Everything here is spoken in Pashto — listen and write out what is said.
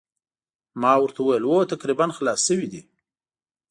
ما ورته وویل هو تقریباً خلاص شوي دي.